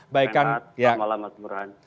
selamat malam mas burhan